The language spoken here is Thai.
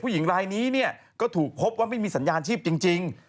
หญิงรายนี้เนี่ยก็ถูกพบว่าไม่มีสัญญาณชีพจริง